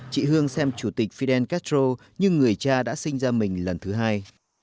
chị hương xem chủ tịch fidel castro nhưng người cha đã sinh ra mình lần thứ hai